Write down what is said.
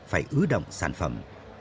phải ưu động sản phẩm